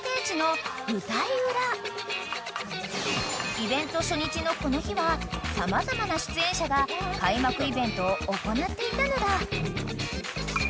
［イベント初日のこの日は様々な出演者が開幕イベントを行っていたのだ］